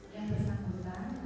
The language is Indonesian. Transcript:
tapi tanya tadi